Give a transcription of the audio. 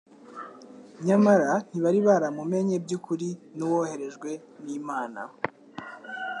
nyamara ntibari baramumenye by'ukuri n'Uwoherejwe n'Imana.